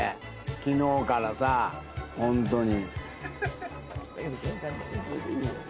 昨日からさホントに。